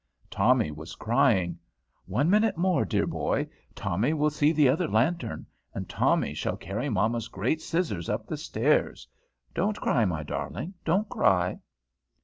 Tommy was crying. "One minute more, dear boy. Tommy shall see the other lantern. And Tommy shall carry mamma's great scissors up the stairs. Don't cry, my darling, don't cry."